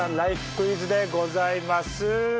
クイズでございます！